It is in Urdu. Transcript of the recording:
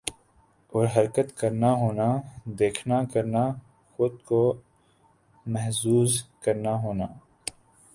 اور حرکت کرنا ہونا دیکھنا کرنا خود کو محظوظ کرنا ہونا